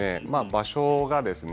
場所がですね